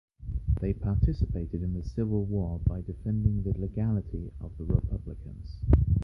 They participated in the Civil War by defending the legality of the republicans.